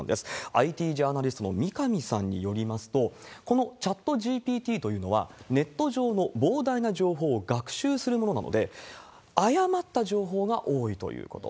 ＩＴジャーナリストの三上さんによりますと、このチャットＧＰＴというのは、ネット上の膨大な情報を学習するものなので、誤った情報が多いということ。